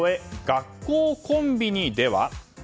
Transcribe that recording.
学校コンビニでは？